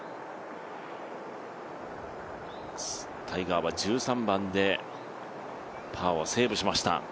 タイガーは１３番でパーをセーブしました。